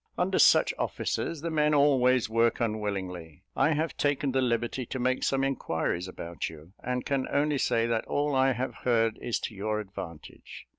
Under such officers, the men always work unwillingly. I have taken the liberty to make some inquiries about you; and can only say, that all I have heard is to your advantage.